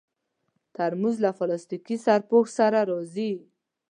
ترموز له پلاستيکي سرپوښ سره راځي.